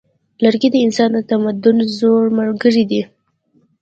لرګی د انسان د تمدن زوړ ملګری دی.